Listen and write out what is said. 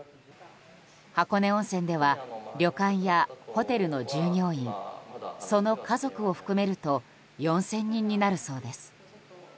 箱根温泉では旅館やホテルの従業員その家族を含めると４０００人になるそうです。